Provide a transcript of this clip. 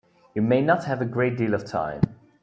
You may not have a great deal of time.